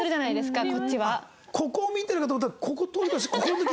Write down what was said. ここを見てるかと思ったらここ通り越してここの時？